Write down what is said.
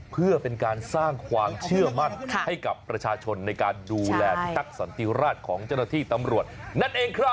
เพื่อเป็นการสร้างความเชื่อมั่นให้กับประชาชนในการดูแลพิทักษันติราชของเจ้าหน้าที่ตำรวจนั่นเองครับ